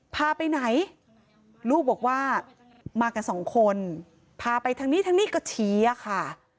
พาไปไหนลูกบอกว่ามากันสองคนพาไปทางนี้ทางนี้ก็ชี้อะค่ะ